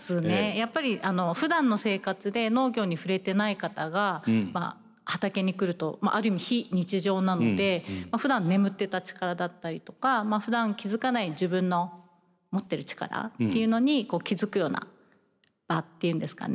やっぱりふだんの生活で農業に触れてない方が畑に来るとある意味非日常なのでふだん眠ってた力だったりとかふだん気付かない自分の持ってる力っていうのに気付くような場っていうんですかね